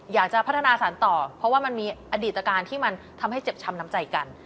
อยากจะพัฒนาสารต่อเพราะว่ามันมีอดีตการที่มันทำให้เจ็บช้ำน้ำใจกัน